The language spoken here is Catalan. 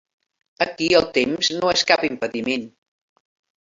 Aquí el temps no és cap impediment.